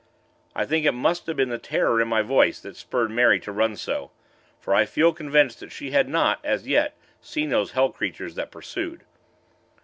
I think it must have been the terror in my voice, that spurred Mary to run so; for I feel convinced that she had not, as yet, seen those hell creatures that pursued.